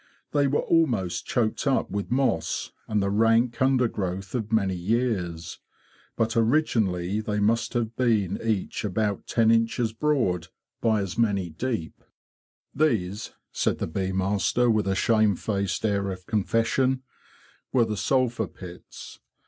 They were almost choked up with moss and the rank undergrowth of many years; but be IN A BEE CAMP 69 originally they must have been each about ten inches broad by as many deep. "" These,'' said the bee master, with a shamefaced air of confession, '' were the sulphur pits.